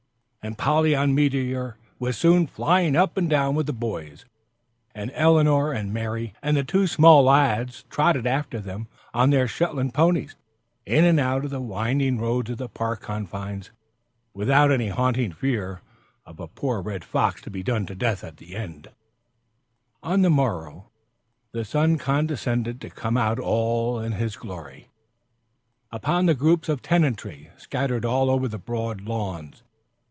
And Polly on Meteor was soon flying up and down with the boys, and Elinor and Mary. And the two small lads trotted after on their Shetland ponies, in and out the winding roads of the park confines, without any haunting fear of a poor red fox to be done to death at the end. And on the morrow, the sun condescended to come out in all his glory, upon the groups of tenantry scattered over the broad lawns.